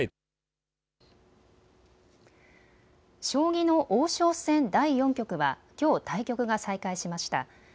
将棋の王将戦第４局はきょう対局が再開しました。